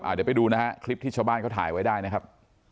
เดี๋ยวไปดูนะฮะคลิปที่ชาวบ้านเขาถ่ายไว้ได้นะครับ